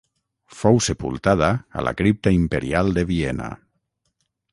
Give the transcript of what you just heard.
Fou sepultada a la Cripta Imperial de Viena.